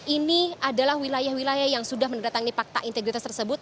ini adalah wilayah wilayah yang sudah mendatangi pakta integritas tersebut